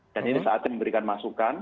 dan ini saatnya memberikan masukan